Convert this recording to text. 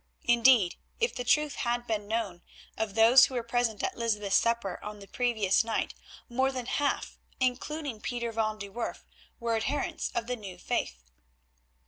Indeed, if the truth had been known, of those who were present at Lysbeth's supper on the previous night more than half, including Pieter van de Werff, were adherents of the New Faith.